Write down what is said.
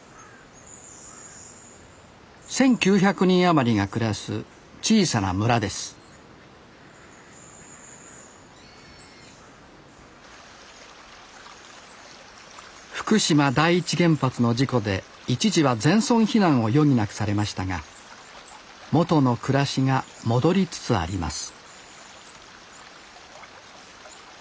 １，９００人余りが暮らす小さな村です福島第一原発の事故で一時は全村避難を余儀なくされましたが元の暮らしが戻りつつあります